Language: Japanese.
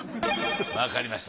わかりました。